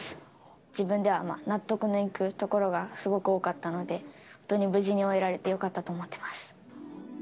自分では納得のいくところがすごく多かったので、本当に無事に終えられてよかったと思ってます。